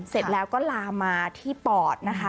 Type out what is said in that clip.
เสร็จแล้วก็ลามมาที่ปอดนะคะ